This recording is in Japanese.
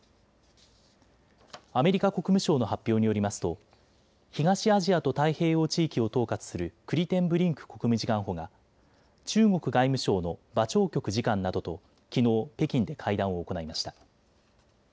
アメリカ国務省の発表によりますと東アジアと太平洋地域を統括するクリテンブリンク国務次官補が中国外務省の馬朝旭次官などときのう北京で会談を行いました。